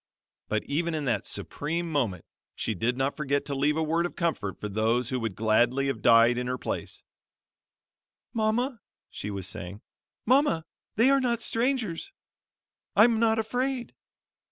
But even in that supreme moment she did not forget to leave a word of comfort for those who would gladly have died in her place: "Mama," she was saying, "Mama, they are not strangers. I'm not afraid."